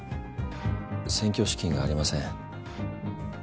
選挙資金がありません。